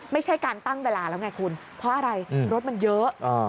ไม่ใช่การตั้งเวลาแล้วไงคุณเพราะอะไรรถมันเยอะ